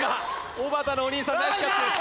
おばたのお兄さんナイスキャッチです。